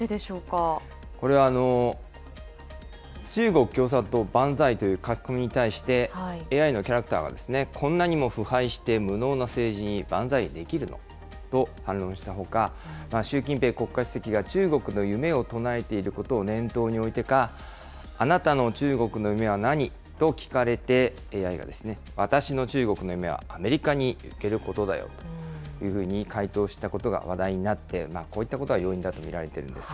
これは中国共産党万歳という書き込みに対して、ＡＩのキャラクターが、こんなにも腐敗して無能な政治に万歳できるの？と反論したほか、習近平国家主席が中国の夢を唱えていることを念頭に置いてか、あなたの中国の夢は何？と聞かれて、ＡＩが、私の中国の夢はアメリカに行けることだよというふうに回答したことが話題になって、こういったことが要因だと見られているんです。